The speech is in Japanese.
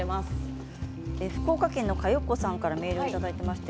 福岡県の方からメールをいただきました。